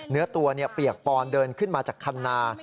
เนื้อตัวเปียกปอนเดินขึ้นมาจากคันนา